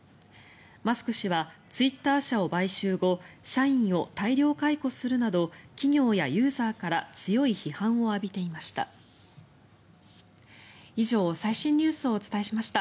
マスク氏はツイッター社を買収後社員を大量解雇するなど企業やユーザーから強い批判を浴びていました。